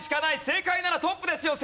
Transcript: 正解ならトップですよ